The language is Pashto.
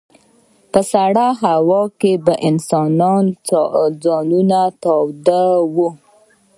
په سړه هوا کې به انسان ځان توداوه.